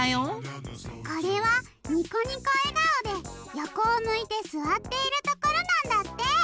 これはにこにこえがおでよこをむいてすわっているところなんだって。